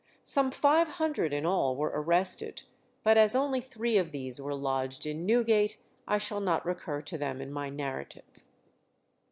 Some five hundred in all were arrested, but as only three of these were lodged in Newgate, I shall not recur to them in my narrative.